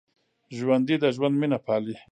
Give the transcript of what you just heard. ژوندي د ژوند مینه پالي